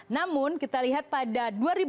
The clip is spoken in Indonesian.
namun kita lihat pada dua ribu enam belas